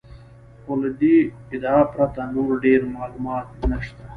خو له دې ادعا پرته نور ډېر معلومات نشته.